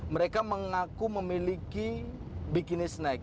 mereka mengaku memiliki bikini snack